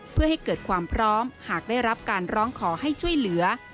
เพื่อให้เกิดความพร้อมหากได้รับการร้องขอให้ช่วยเหลือ